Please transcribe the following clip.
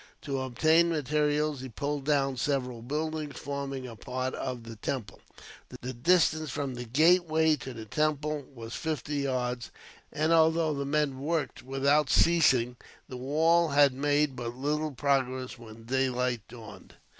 To obtain materials, he pulled down several buildings forming a part of the temple. The distance from the gateway to the temple was fifty yards, and although the men worked without ceasing, the wall had made but little progress when daylight dawned.